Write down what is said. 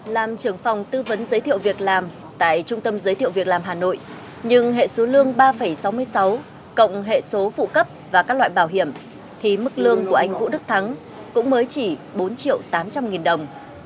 làm trưởng phòng tư vấn giới thiệu việc làm tại trung tâm giới thiệu việc làm hà nội nhưng hệ số lương ba sáu mươi sáu cộng hệ số phụ cấp và các loại bảo hiểm thì mức lương của anh vũ đức thắng cũng mới chỉ bốn triệu tám trăm linh nghìn đồng